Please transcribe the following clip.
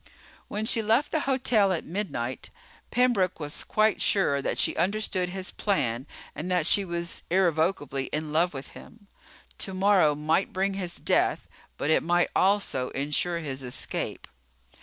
When she left the hotel at midnight, Pembroke was quite sure that she understood his plan and that she was irrevocably in love with him. Tomorrow might bring his death, but it might also ensure his escape.